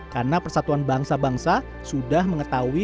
karena persatuan bangsa bangsa sudah mengetahui